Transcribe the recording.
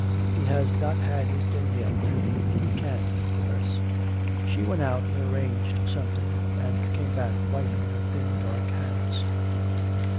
'He has not had his dinner yet. He can't eat with us.' She went out and arranged something, and came back wiping her thin dark hands.